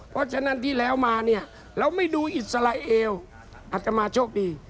เพราะฉะนั้นที่แล้วมาเนี่ยเราไม่ดูอิสราเอลอัตมาโชคดี